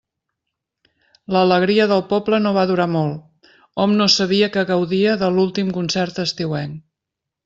L'alegria del poble no va durar molt, hom no sabia que gaudia de l'últim concert estiuenc.